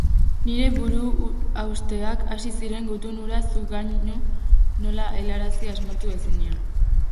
Nire buruhausteak hasi ziren gutun hura zuganaino nola helarazi asmatu ezinean.